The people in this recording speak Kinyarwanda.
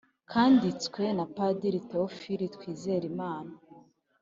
kanditswe na padiri théophile twizelimana.